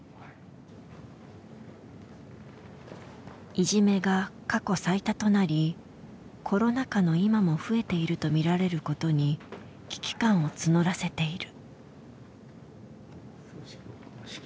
いじめが過去最多となりコロナ禍の今も増えているとみられることに危機感を募らせている。